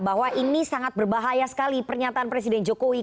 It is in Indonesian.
bahwa ini sangat berbahaya sekali pernyataan presiden jokowi